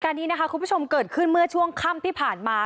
นี้นะคะคุณผู้ชมเกิดขึ้นเมื่อช่วงค่ำที่ผ่านมา